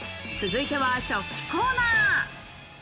続いては食器コーナー。